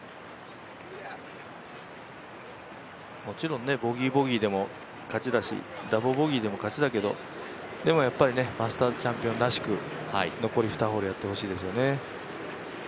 もちろんボギー、ボギーでも勝ちだしダブルボギーでも勝ちだけどでもマスターズチャンピオンらしく、残り２ホールやってほしいですよね。